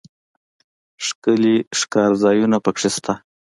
ښکلي ښکارځایونه پکښې شته.